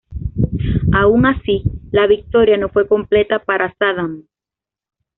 Aun así, la victoria no fue completa para Sadam.